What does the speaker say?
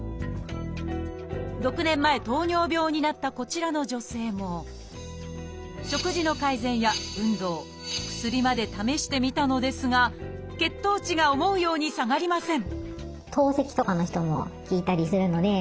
６年前糖尿病になったこちらの女性も食事の改善や運動薬まで試してみたのですが血糖値が思うように下がりません